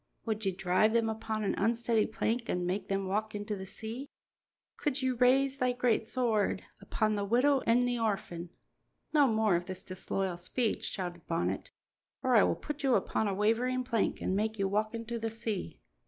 Would ye drive them upon an unsteady plank an' make them walk into the sea? Could ye raise thy great sword upon the widow an' the orphan?" "No more of this disloyal speech," shouted Bonnet, "or I will put you upon a wavering plank and make you walk into the sea."